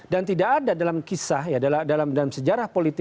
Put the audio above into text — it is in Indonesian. dan tidak ada dalam kisah ya dalam sejarah politik ini